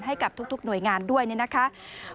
ให้กับทุกหน่วยงานด้วยนะคะ